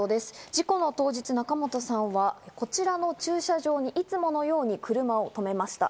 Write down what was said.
事故の当日、仲本さんはこちらの駐車場にいつものように車を止めました。